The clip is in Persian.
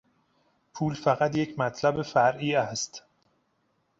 پول فقط یک مطلب فرعی است.